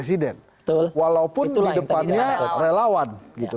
di depannya relawan